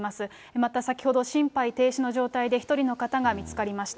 また先ほど心肺停止の状態で１人の方が見つかりました。